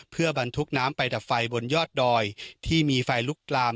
เพื่อบรรทุกน้ำไปดับไฟบนยอดดอยที่มีไฟลุกลาม